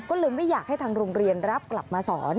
ก็เลยไม่อยากให้ทางโรงเรียนรับกลับมาสอน